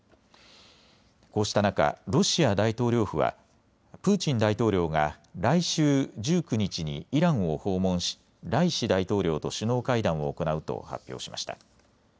こうした中、ロシア大統領府はプーチン大統領が来週１９日にイランを訪問しライシ大統領と首脳会談を行うと発表しました。